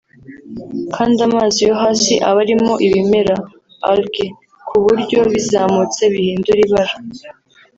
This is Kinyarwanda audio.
kandi amazi yo hasi aba arimo ibimera (algues) ku buryo bizamutse bihindura ibara